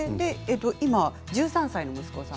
今１３歳の息子さん。